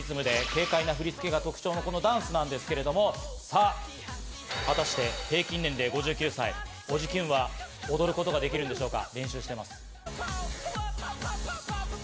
中毒性のあるリズムで軽快な振り付けが特徴のダンスなんですけれど、果たして平均年齢５９歳のおじキュン！は踊ることができるんでしょうか？